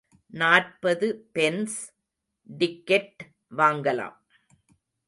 நாற்பது pence ticket வாங்கலாம்.